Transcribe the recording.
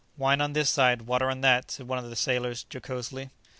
"Wine on this side, water on that," said one of the sailors jocosely.